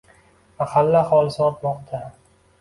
Mahalla aholisi ortmoqda